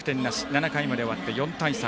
７回まで終わって４対３。